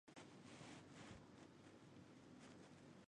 具葶离子芥为十字花科离子芥属下的一个种。